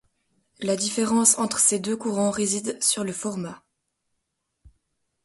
La différence entre ces deux courants résident sur le format.